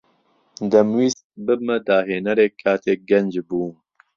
دەمویست ببمە داھێنەرێک کاتێک گەنج بووم.